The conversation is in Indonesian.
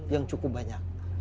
yang cukup banyak